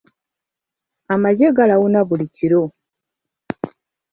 Amagye galawuna buli kiro.